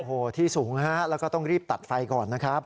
โอ้โหที่สูงฮะแล้วก็ต้องรีบตัดไฟก่อนนะครับ